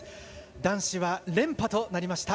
男子は連覇となりました。